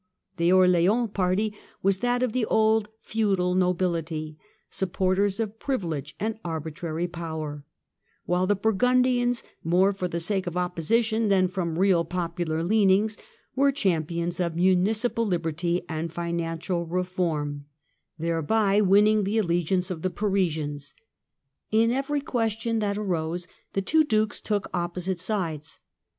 The Orleans party was that of the old feudal nobility, sup porters of privilege and arbitrary power; while the Burgundians, more for the sake of opposition than from real popular leanings, were champions of municipal liberty and financial reform, thereby winning the allegi ance of the Parisians. In every question that arose the two Dukes took opposite sides.